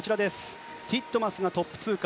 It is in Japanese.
ティットマスがトップ通過。